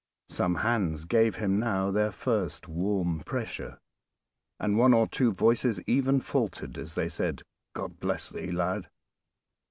Some hands gave him now their first warm pressure, and one or two voices even faltered as they said "God bless thee, lad!"